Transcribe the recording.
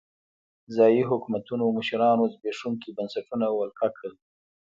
ځايي حکومتونو مشرانو زبېښونکي بنسټونه ولکه کړل.